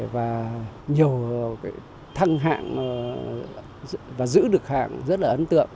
và nhiều cái thăng hạng và giữ được hạng rất là ấn tượng